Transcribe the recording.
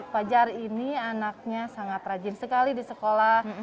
fajar ini anaknya sangat rajin sekali di sekolah